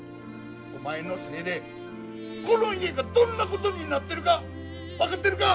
お前のせいでこの家がどんなことになってるか分かってるか！